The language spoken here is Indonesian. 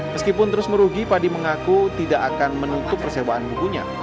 meskipun terus merugi padi mengaku tidak akan menutup persewaan bukunya